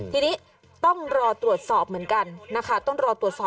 ทีนี้ต้องรอตรวจสอบเหมือนกันนะคะต้องรอตรวจสอบ